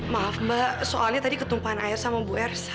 maaf mbak soalnya tadi ketumpahan air sama mbak irsa